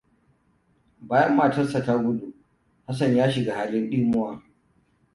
Bayan matarsa ta gudu, Hassan ya shiga halin ɗimuwa.